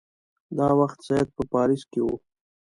دا وخت سید په پاریس کې وو.